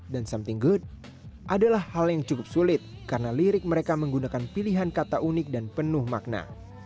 dan something good adalah hal yang cukup sulit karena lirik mereka menggunakan pilihan kata unik dan penuh makna